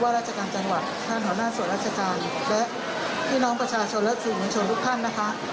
ราชการจังหวัดท่านหัวหน้าส่วนราชการและพี่น้องประชาชนและสื่อมวลชนทุกท่านนะคะ